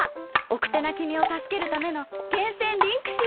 奥手な君を助けるための厳選リンク集！